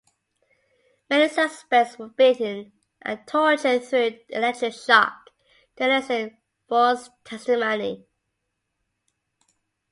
Many suspects were beaten and tortured through electric shock to elicit forced testimony.